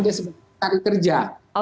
desa sementara kerja